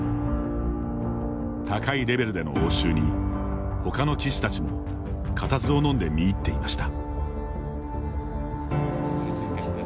高いレベルでの応酬に他の棋士たちも固唾をのんで見入っていました。